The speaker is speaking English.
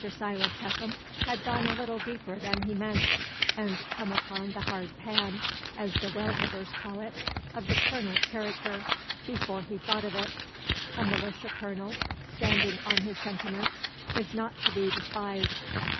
Silas Peckham had gone a little deeper than he meant, and come upon the "hard pan," as the well diggers call it, of the Colonel's character, before he thought of it. A militia colonel standing on his sentiments is not to be despised.